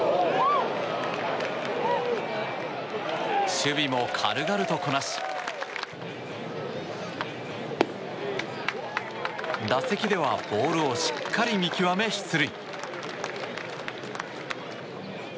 守備も軽々とこなし打席ではボールをしっかり見極め出塁。